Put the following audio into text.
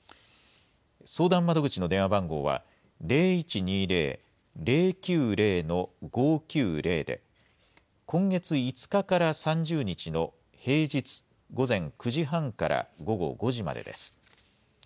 相談窓口の電話番号は、０１２０ー０９０ー５９０で、今月５日から３０日の平日午前９時半から午後５時までです。